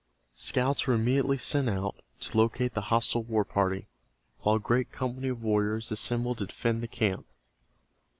Scouts were immediately sent out to locate the hostile war party, while a great company of warriors assembled to defend the camp.